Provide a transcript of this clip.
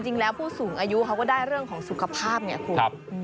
จริงแล้วผู้สูงอายุเขาก็ได้เรื่องของสุขภาพไงคุณ